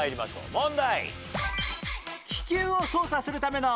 問題。